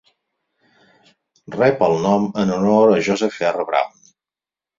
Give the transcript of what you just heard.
Rep el nom en honor a Joseph R. Brown.